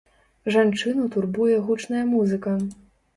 Жанчыну турбуе гучная музыка.